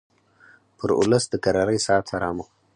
پر اولس د کرارۍ ساعت حرام وو